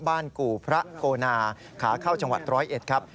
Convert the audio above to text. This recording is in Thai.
กู่พระโกนาขาเข้าจังหวัดร้อยเอ็ดครับ